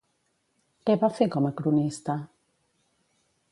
Què va fer com a cronista?